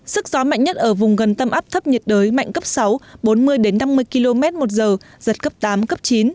sức gió mạnh nhất ở vùng gần tâm áp thấp nhiệt đới mạnh cấp sáu bốn mươi năm mươi km một giờ giật cấp tám cấp chín